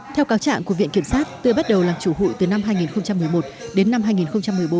theo cáo trạng của viện kiểm sát tươi bắt đầu làm chủ hụi từ năm hai nghìn một mươi một đến năm hai nghìn một mươi bốn